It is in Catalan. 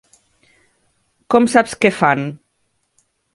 Com saps què fan?